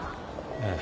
ええ。